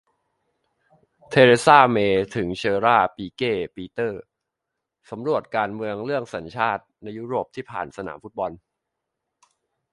เทเรซา เมย์ถึงเฌอราร์ ปิเก พีเทอร์ สำรวจการเมืองเรื่อง"สัญชาติ"ในยุโรปผ่านสนามฟุตบอล